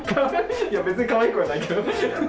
いや別にかわいくはないけど。